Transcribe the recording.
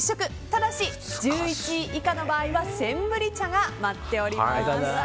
ただし１１位以下の場合はセンブリ茶が待っております。